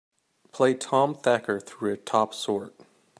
Play Tom Thacker through a top sort.